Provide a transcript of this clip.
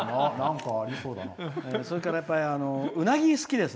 それから、うなぎが好きです。